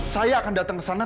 saya akan datang ke sana